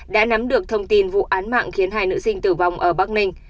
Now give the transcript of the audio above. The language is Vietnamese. đã nắm được thông tin vụ án mạng khiến hai nữ sinh tử vong ở bắc ninh